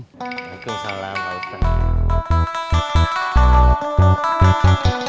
waalaikumsalam pak ustadz